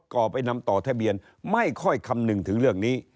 ่อไปนำต่อทะเบียนไม่ค่อยคำนึงถึงเรื่องนี้